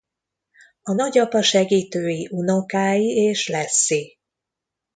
A nagyapa segítői unokái és Lassie.